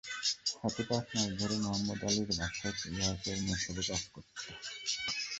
সাথী পাঁচ মাস ধরে মোহাম্মদ আলীর বাসায় গৃহকর্মী হিসেবে কাজ করত।